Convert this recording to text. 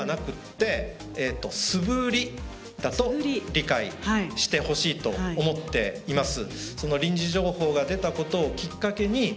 理解してほしいと思っています。